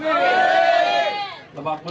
lebak dulu siap